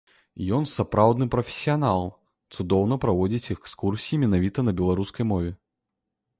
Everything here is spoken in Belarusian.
Ён сапраўдны прафесіянал, цудоўна праводзіць экскурсіі менавіта на беларускай мове.